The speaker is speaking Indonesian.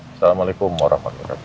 assalamualaikum warahmatullahi wabarakatuh